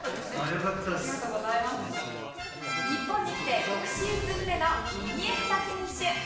日本に来て６シーズン目のイニエスタ選手